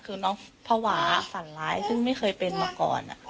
คือน้องภาวะสั่นร้ายซึ่งไม่เคยเป็นมาก่อน